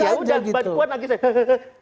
ya udah mbak puan nangis aja